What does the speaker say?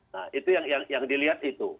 nah itu yang dilihat itu